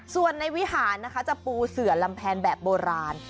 ส่วนในวิหารนะคะจะปูเสือลำแพนแบบโบราณ